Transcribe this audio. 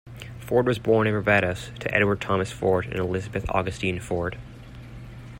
Ford was born in Barbados to Edward Thomas Ford and Elizabeth Augustine Ford.